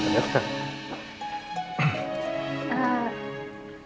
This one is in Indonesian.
itu udah dikendali